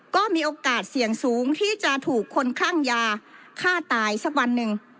ก็มีโอกาสเสี่ยงสูงที่จะถูกคนคลั่งยาฆ่าตายสักวันหนึ่ง